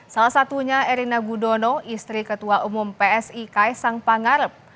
salah satunya erina gudono istri ketua umum psi kaisang pangarep